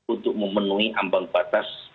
untuk memenuhi ambang batas